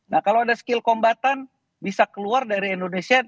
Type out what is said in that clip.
nah kalau ada skill kombatan bisa keluar dari indonesia